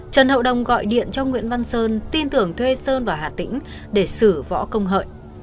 trần hậu đồng gọi điện cho nguyễn văn sơn tin tưởng thuê sơn vào hà tĩnh để xử võ công hợi